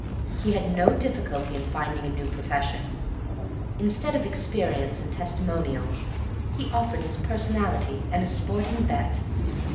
He had no difficulty in finding a new profession. Instead of experience and testimonials he offered his personality and a sporting bet.